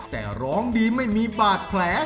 แต่ร้องดีไม่มีบาดแผล